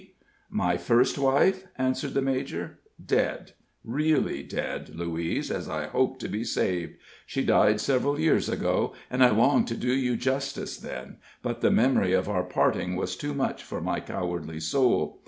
"My first wife?" answered the major. "Dead really dead, Louise, as I hope to be saved. She died several years ago, and I longed to do you justice then, but the memory of our parting was too much for my cowardly soul.